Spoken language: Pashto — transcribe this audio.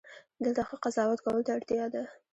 دلته ښه قضاوت کولو ته اړتیا ده.